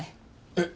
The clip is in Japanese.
えっ？